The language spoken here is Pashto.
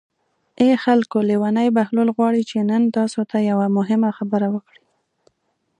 ای خلکو لېونی بهلول غواړي چې نن تاسو ته یوه مهمه خبره وکړي.